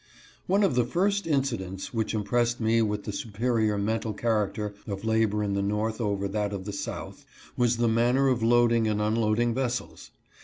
One of the first incidents which impressed me with the superior mental character of labor in the north over that of the south, was the manner of loading and unloading vessels.